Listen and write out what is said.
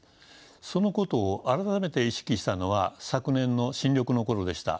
そのことを改めて意識したのは昨年の新緑の頃でした。